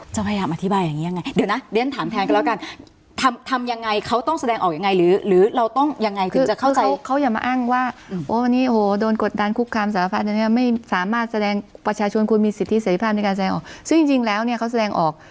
จะพยายามอธิบายอย่างนี้ยังไงเดี๋ยวนะเดี๋ยวฉันถามแทนกันแล้วกัน